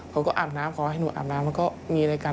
อาก็อาบน้ำพอให้หนูอาบน้ำมันก็มีอะไรกัน